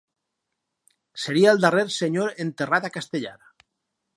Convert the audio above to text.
Seria el darrer Senyor enterrat a Castellar.